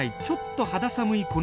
ちょっと肌寒い